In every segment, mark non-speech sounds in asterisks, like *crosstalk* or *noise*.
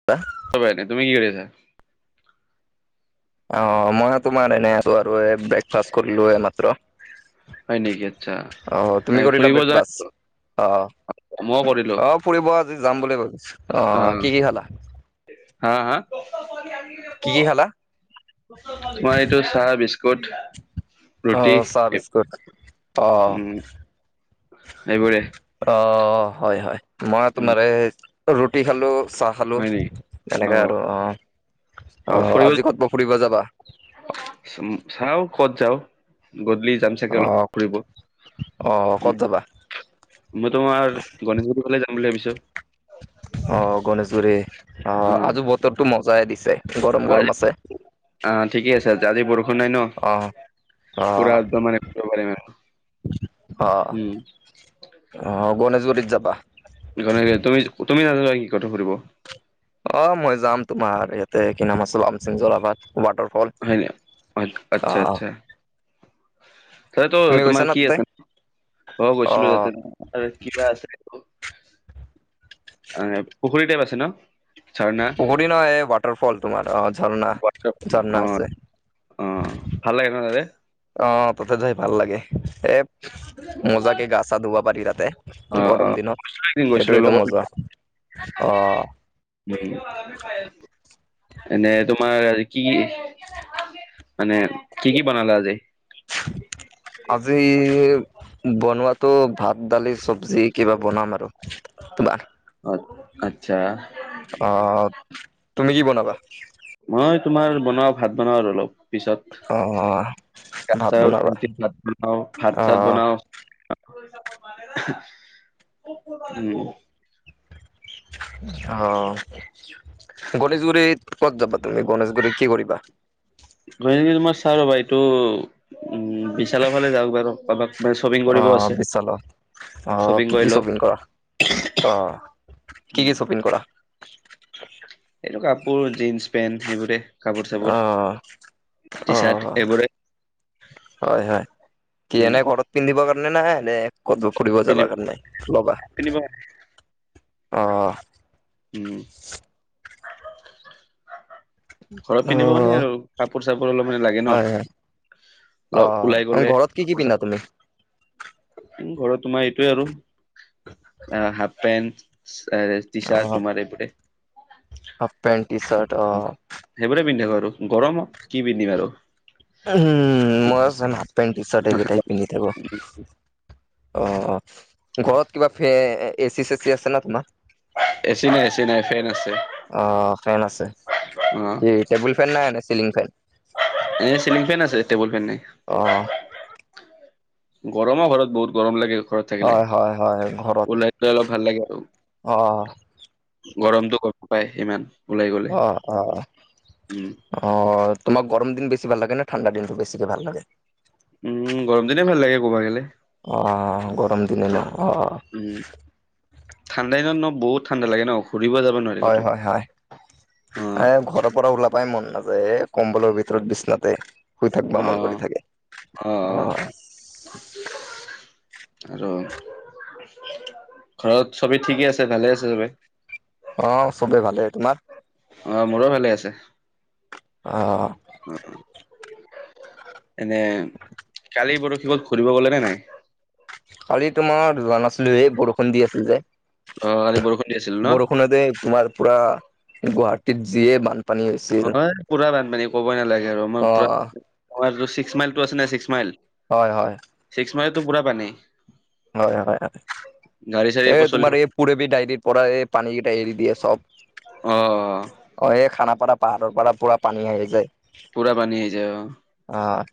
*unintelligible* *unintelligible* তুমি কি কৰি আছা? অ অ, মই তোমাৰ এনে আছো আৰু এ ব্ৰেকফাষ্ট কৰিলো এইমাত্ৰ। হয় নেকি আচ্ছা অহ এ তুমি কৰিলা ফুৰিব যোৱা ব্ৰেকফাষ্ট? অহ, মইও কৰিলো অহ। ফুৰিব আজি যাম বুলি ভাবিছো। অ অহহ, কি কি খালা? হা হা? কি কি খালা? তোমাৰ এইটো চাহ বিস্কুট। ৰুটি অহ চাহ বিস্কুট অহ। উম এইবোৰে অহহ' হয় হয়। মই উম তোমাৰ এই ৰুটি খালো চাহ খালো। হয় নেকি অ এনেকাই আৰু অঁ, অ' আজি ক'তবা ফুৰিব যাবা? চাও ক'ত যাও গধূলি যাম। চাগে অলপ অ', ফুৰিব অ', উম। ক'ত যাবা? মই তোমাৰ গনেশগুৰি ফালে যাম বুলি ভাবিছো। অ', গণেশগুৰি অ' আজি বতৰটো মজাই দিছে, গৰম গৰম আছে। আঁ, ঠিকে আছে আজি বৰষু ণ নাই অ', ন অ', পুৰা একদম মানে ফুৰিব পাৰিম আৰু। অ', উম। অ', গণেশগুৰিত যাবা? গণেশগুৰিত। তুমি তুমি নোযোৱা নেকি কতো ফুৰিব? অ', মই যাম তোমাৰ ইয়াতে কি নাম আছিল অমচেম যোৰাবাট ৱাটাৰফল। হয় নি? আচ্ছা আহ আচ্ছা। তাতটো তুমি গৈছা তোমাৰ না কি তাতে আছে অ' গৈছিলো তাতে কিবা আছে। *unintelligible* এ পুখুৰী টাইপ আছে ন'? ঝাৰণা পুখুৰী নহয় এই ৱাটাৰ ফল তোমাৰ অ ঝৰ্ণা ঝৰ্ণা আছে। অঁ, ভাল লাগে নহ তাতে? অ', তাতে যাই ভাল লাগে। এ মজাকে গা চা ধুব পাৰি তাতে গৰম দিনত। দূইদিন গৈছিলো লগত। অহ। *unintelligible* এনে তোমাৰ কি কি, মানে কি কি বনালা আজি? *inaudible* আজি বনোৱাটো ভাত দালি চব্জি কিবা বনাম আৰু। তোমাৰ অ', আচ্ছা। অ', তুমি কি বনাবা? মই তোমাৰ বনাও ভাত বনাও আৰু অলপ। পিছত অ ভাত বনাবা *unintelligible* বনাও অ ভাত চাত বনাও। উম। অ', গনেশগুৰিত ক'ত যাবা তুমি গণেশগুৰিত কি কৰিবা? গনেশগুৰিত মই চাওঁ ৰ'বা এইটো বিশালৰ ফালে যাব পাৰোঁ, অলপ মানে শ্বপিং কৰিব আছে। অহ, শ্বপিং কি কৰি কি লওঁ শ্বপিং কৰা? অ' কি উম কি শ্বপিং কৰা? এইটো কাপোৰ, জীনছ পেণ্ট সেইবোৰে। কাপোৰ চাপোৰ, অ', টি চাৰ্ট, অ', এইবোৰে। হয় হয়, কি উম এনেই ঘৰত পিন্ধিব কাৰণে না এনেই? ক'তবা ফুৰিব যাবা পিন্ধিব কাৰণে নাই লবা, পিন্ধিব অহ। উম। *inaudible* ঘৰত পিন্ধিব কাৰণেই অ', আৰু কাপোৰ চাপোৰ অলপ মানে লাগে ন। হয় হয় অলপ ওলাই অ', গ'লে। ঘৰত কি কি কাপোৰ পিন্ধা চাপোৰ তুমি? ঘৰত তোমাৰ এইটোয়েই আৰু, হাফ পেন্ট, এচ। টি চাৰ্ট অ', তোমাৰ এইবোৰেই। হাফ পেণ্ট, টি চাৰ্ট, অহ। সেইবোৰেই পিন্ধি থাকো আৰু গৰমত কি পিন্ধিম আৰু। উম মই চোন হাফ পেণ্ট, টি চাৰ্ট এইকেইটাই পিন্ধি থাকোঁ। অ', অ', ঘৰত কিবা ফে এচি চেচি আছে নে তোমাৰ? এচি নাই এচি নাই, ফেন আছে। অ', ফেন আছে। অ কি টেবুল ফেন নে চিলিং ফেন? এ চিলিং ফেন আছে, টেবুল ফেন নাই। অহ। গৰম অ' ঘৰত, বহুত গৰম লাগে ঘৰত। থাকিলে, হয় হয় হয় ঘৰত ওলাই পেলাই অলপ ভাল লাগে আৰু। অ', গৰমটো কম। নাপায় সিমান। অ', অ', অহ। অ', তোমাক গৰম দিন বেছি ভাল লাগে নে ঠাণ্ডা দিনটো বেছিকে ভাল লাগে? উম, গৰম দিনেই ভাল লাগে, ক'বা গেলে। অ', গৰম দিনেই ন অহ। উম, ঠাণ্ডা দিনত ন বহুত ঠাণ্ডা লাগে ন। ফুৰিব যাব নোৱাৰি। হয় ক'তো। হয় অ', হয়, ঘৰৰ পৰা ওলাব। বই মন নাযায়, এ কম্বলৰ ভিতৰত বিচনাতে। শুই থাকব মন কৰি অ', থাকে। অ', অ', অহ। আৰু। ঘৰত চবেই ঠিকেই আছে, ভালে আছে চবে? অ', চবেই ভালেই। তোমাৰ? অ', মোৰো ভালেই আছে। অহ। এনে কালি পৰশি ক'বাত ঘূৰিব গ'লা নে নাই? কালি তোমাৰ যোৱা নাছিলো, এই বৰষুণ দি আছিল যে। অ', কালি বৰষুণ দি আছিল ন'? বৰষুণতে তোমাৰ পুৰা গুৱাহাটিত যিয়ে বান। অ', পুৰা বানপানী, ক'বই নালাগে আৰু। অ মই পুৰা, আমাৰ যিটো ছিক্সমাইলটো আছে নাই ছিক্স মাইল। হয় হয়। চিক্সমাইলতো পুৰা পানী। হয় হয় হয়, গাড়ী চাড়ী একো এই চলিব তোমাৰ অ', এই। পুৰবি ডাইৰিৰ পৰা এই পানী কেইটা এৰি দিয়ে চব, অ', অ', এই খানাপাৰা। পাহাৰৰ পৰা পুৰা পানী আহি যায়। পুৰা পানী আহি যায় অহ। অ',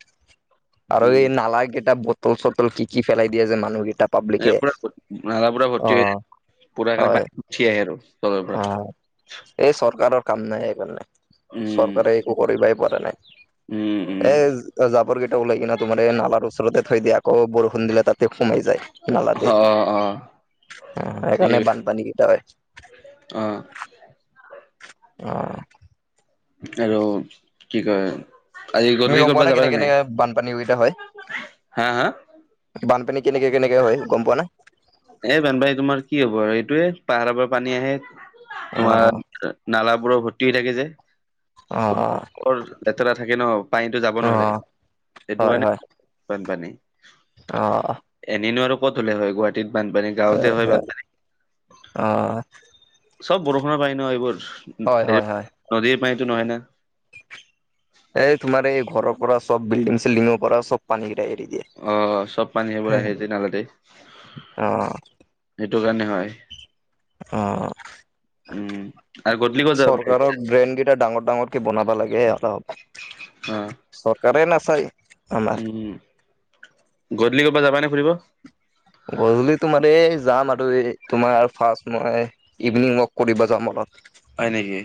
আৰু এই নালা কেইটা বটল চটল কি কি পেলাই দিয়ে যে মানুহ কেইটা। এ পুৰা নালা পুৰা ভৰ্তি হৈ যায়, পুৰা সেইকাৰণে হয় পানী উঠি আহে আৰু। তলৰ পৰা। অ', এই চৰকাৰৰ কাম নাই এইপিনে, উম, চৰকাৰে একো কৰিবাই পৰা নাই। উম, উম, এ, জাবৰ কেইটা ওলাই কিনে তোমাৰ এই নালাৰ ওচৰতে থৈ দিয়া। আকৌ বৰষুণ দিলে তাত তে সোমাই যায় অ', নালাতে, অ', অ', ঠিকেই সেইকাৰণে কৈছা। বানপানী কেইটা হয়। অ'। অ'। আৰু কি কয়? আজি তুমি গধূলি গম পোৱা কৰবাত যাব কেনেকে নে নাই? কেনেকে বানপানী কেইটা হয় হা হা? বানপানী কেনেকে কেনেকে হয় গম পোৱা না? এ, বানপানীৰ তোমাৰ কি হব আৰু সেইটোৱে পাহাৰ পৰা পানী আহে অ তোমাৰ নালাবোৰত ভৰ্তি হৈ থাকে যে। অ লেতেৰা থাকে ন, পানীটো যাব অ অ নোৱাৰে সেইটো হয় কাৰনে হয় বানপানী। অ'। এনেইনো আৰু ক'ত হ'লে হয় গুৱাহাটীত বানপানী গাঁৱতে হয় হয়, বানপানী অ'। চ'ব বৰষুণৰ পানী ন এইবোৰ অ হয় এ হয় হয় নদীৰ পানীতো নহয় না। এই তোমাৰ এই ঘৰৰ পৰা চব বিল্ডিং চিল্ডিঙৰ পৰা চব পানী কেইটা এৰি দিয়ে। অ' চব পানী সেইবোৰ আহে যে নালতে অ', সেইটো কাৰণে হয়। অ' উম, আৰু গধূলি ক'ত যাব চৰকাৰক ড্ৰেগনকেইটা ডাঙৰ ডাঙৰকে বনাবা লাগে অলপ অ চৰকাৰে নাচায়। আমাৰ। উম', গধূলি ক'ৰবাত যাবানে ফুৰিব? গধূলি তোমাৰ এই যাম আৰু এই তোমাৰ ফাৰ্ষ্ট মই ইভিনিং ৱাক কৰিব যাম অলপ। হয় নেকি?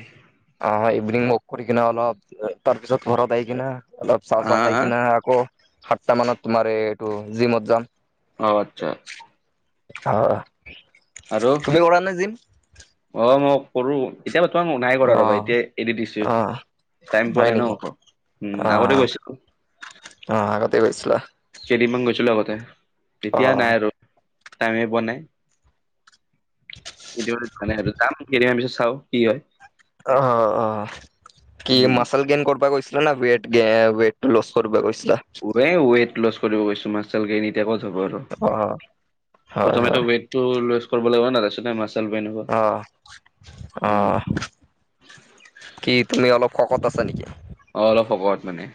অ' ইভিনিং ৱক কৰি কিনে অলপ তাৰ পিছত ঘৰত আহ' কিনে অলপ চাহ হা চাহ খাই হা কিনে আকৌ' সাতটা মানত তোমাৰ এ এইটো জিমত যাম। অ' আচ্ছা। অ' আৰু তুমি কৰা নে জিম? অ' মই কৰোঁ। এতিয়া বৰ্তমান মই নাই কৰা ৰবা অ', এতিয়া এৰি দিছোঁ। অ', টাইম পোৱা হয় নাই ন, নেকি? অ উম' আগতে অ', গৈছিলোঁ। অ' আগতে গৈছিলা। কেইদিনমান গৈছিলোঁ আগতে। এতিয়া অ'। নাই আৰু টাইমে পোৱা নাই। এতিয়া সময় নাই, যাম কেইদিনমান পিছত চাও কি হয়! অ' অ'। কি উম মাচেল গেইন কৰিব গৈছিলে না ৱেট? গে ৱেট টো লছ কৰিব গৈছিলা। ৱে ৱেইট লছ কৰিব গৈছো। মাছল গেইন এতিয়া ক'ত হব আৰু, অ হয় প্ৰথমেটো হয় ৱেইট- টো লছ কৰিব লাগিব না, তাৰ পিছত হে মা আহ' উম আহ'। কি তুমি অলপ শকত আছা নেকি? অ' অলপ শকত মানে।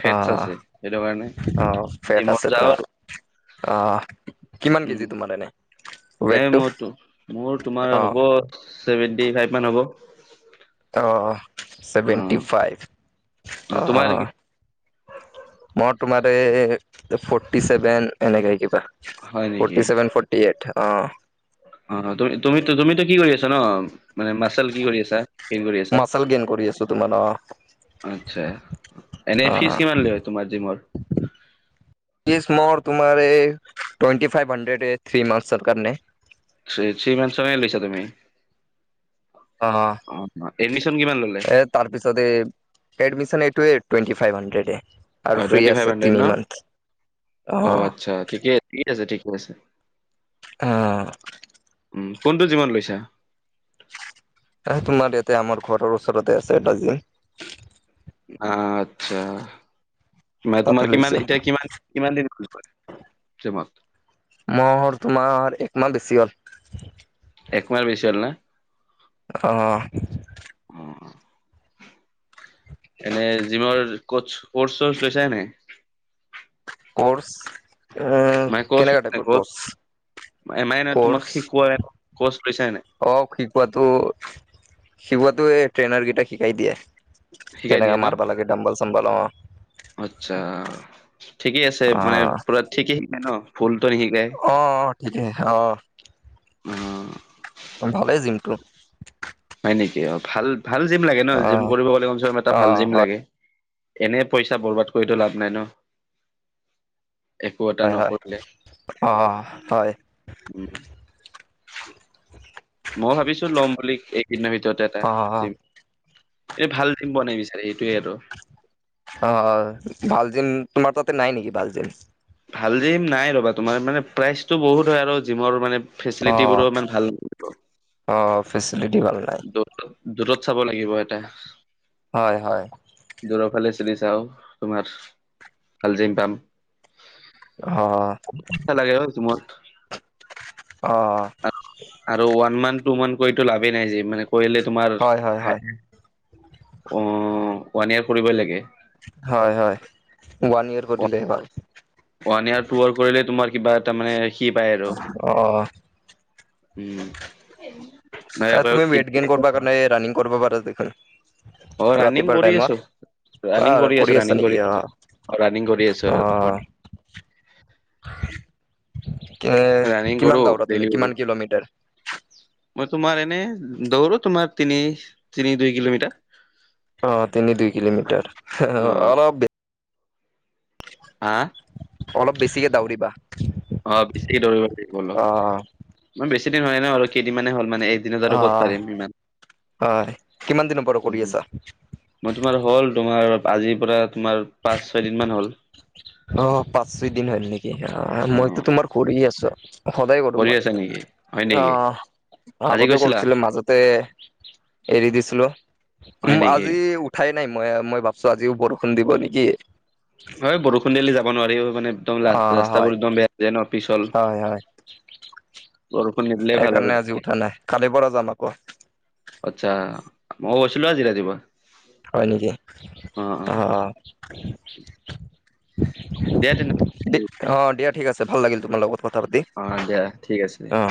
ফেটছ আহ' আছে সেইটো কাৰণে আহ' ফেট জিমত আছে যাওঁ আৰু তোমাৰ। আহ' কিমান উম কেজি তোমাৰ এনে? এ, ৱেটটো? মই তো মোৰ তোমাৰ অ হ'ব ছেভেন্টি ফাইভ মান হ'ব। অঁ অ, ছেভেণ্টি অ ফাইভ অঁ তোমাৰ অঁ। কি মই তোমাৰ এই ফ'ৰৰ্টি চেভেন এনেকা কিবা। হয় নেকি? ফৰ্টি ছেভেন ফৰ্টি এইট অ তুমি তুমি তুমিতো কি কৰি আছা ন? মানে মা্চেল কি কৰি আছা কে কৰি আছা। মাচল গেইন কৰি আছো তোমাৰ অ আচ্ছা, অ এনেই ফিজ কিমান লৈ তোমাৰ জিমৰ? *unintelligible* ফিজ মোৰ তোমাৰ এই টোৱেনটি ফাইভ হণ্ড্ৰেড থ্ৰী মান্থচৰ কাৰনে। থি- থ্ৰী মান্থচৰ কাৰনে লৈছা তুমি। এডমিচন কিমান ললে? তাৰ পিছত এইটোৱেই টুৱেন্টি ফাইভ হান্দ্ৰেডেই। অ আৰু ফ্ৰী টুৱেন্টি ফাইভ আছে হাণ্ড্ৰেড তিনি ন মাহ অ'। আচ্ছা ঠিকেই। ঠিক আছে ঠিকে আছে। অ'অ' উম' কোনটো জীমট গৈছা। এ তোমাৰ দেউতা আমাৰ ঘৰৰ ওচৰতে আছে। এটা জিম আ-হা আত্ছা তাতে তোমাৰ লৈছো কিমান এতিয়া কিমান কিমান দিন কৰিব পাৰে জিমত? মোৰ তোমাৰ একমাহ বেছি হ'ল। একমাহ বেচি হল না? অ-হ। এনেই জিমৰ কচ কৰ্চ -চৰ্চ লৈছে নে নাই? কোৰ্চ এ- মানে কচ কেনেকা টাইপৰ কচ কোৰ্চ? কোৰ্চ পইছাই নাই। অ শিকোৱাটো- শিকোৱাটো এই ট্ৰেইনাৰ কেইটাই শিকাই দিয়ে। শিকাই কেনেকা দিয়ে ন মাৰবা লাগে ডম্বল- চম্বল অ। আচ্ছা ঠিকেই আছে মানে পুৰা ঠিকে শিকায় ন, ভুলটো নিশিকায়? অ অ অ অ ভালেই জিমটো। হয় নেকি? অ ভাল- ভাল জিম লাগে ন, অ জিম কৰিব গলে এটা অ ভাল জিম হয় লাগে। এনে পইচা বৰবাদ কৰিতো লাভ নাই ন? একো এটা হয়- হয় নকৰিলে অ হয়। উম মই ভাবিছো লম বুলি এইকেইদিনৰ ভিতৰতে এটা অ জিম। এই ভাল জিম বনাই দিছে এইটোৱেই সিহঁতৰ। অ ভাল জিম, তোমাৰ তাতে নাই নেকি ভাল জিম? ভাল জিম নাই ৰ'বা, তোমাৰ মানে প্ৰাইচটো বহুত হয় আৰু জিমৰ মানে ফেচিলিটিবোৰো অ- ইমান ভাল নাথাকিব। অ ফেচিলিটি ভাল নাই। দু- দুৰত চাব লাগিব এটা। হয়-হয়। দুৰৰ ফালে চিৰি চাও তোমাৰ ভাল জিম পাম। পইচা লাগে অ জিমত অ-অ আৰু ওৱান মান্থ টু মান্থ কৰিটো লাভেই নাই জিম মানে কৰিলে তোমাৰ হয়, হয়, হয়, অ ওৱান ইয়েৰ কৰিবই লাগে। হয়-হয় ওৱান ইয়েৰ কৰিলেহে ভাল। ওৱান ইয়াৰ টু ইয়াৰ কৰিলে তোমাৰ কিবা এটা মানে সি পায় আৰু। অ- অ। উম। তুমি ৱেইট গেইন কৰিব কাৰণে ৰানিং কৰিবা পাৰা দেখোন। অ ৰাণিং ৰাতিপুৱাৰ কৰি টাইমত আছো। বা ৰানিং কৰি আছো, আছা ৰানিং নেকি কৰি আছো, অ', অ' ৰানিং কৰি আছো গুহাটিত। কে ৰানিং কৰো কিমান ডাঙৰ ডেইলি তুমি কৰো কিমান কিলোমিটাৰ? মই তোমাৰ এনে দৌৰো তোমাৰ তিনি, তিনি- দুই কিলোমিটাৰ অ' তিনি দুই কিলোমিটাৰ অ *unintelligible* অলপ হা? অলপ বেছিকে দৌৰিবা। অঁ বেছিকে দৌৰিব লাগিব অলপ, মই বেছি দিন হোৱা নাই অল এই কেইদিনমানে হ'ল মানে একদিনত আৰু ক'ত অঁ, পাৰিম ইমান হয় কিমান দিনৰ পৰা কৰি আছা? মই তোমাৰ হ'ল তোমাৰ আজিৰ পৰা তোমাৰ পাঁচ ছয়দিন মান হ'ল। অঁ পাঁচ ছয় দিন হল নেকি অহ অ মইতো তোমাৰ কৰি আছো সদায় কৰো কৰি মই, আছা নেকি হয় নেকি অঁহ আজি আগতে গৈছিলা কৰিছিলো মাজতে এৰি দিছিলো হয় ওম নেকি আজি উঠ ঠাই নাই মই মই ভাবছোঁ আজিও বৰষুণ দিব নেকি! হয়, বৰষুণ দিলে যাব নোৱাৰি ঐ মানে একদম ৰা অ হয় ৰাস্তাবোৰ একদম বেয়া হৈ যায় ন পিছল। হয় হয় বৰষুণ নিদিলে ভাল সেইকাৰণে আৰু। আজি উঠা নাই কালিৰ পৰা যাম আকৌ। আচ্ছা, মই গৈছিলো আজি ৰাতিপুৱা। হয় নেকি? অ অ অহ অহ। দিয়া তেনে অঁ দিয়া ঠিক আছে। ভাল লাগিল তোমাৰ লগত কথা পাতি। অঁ দিয়া ঠিক আছে দিয়া। অ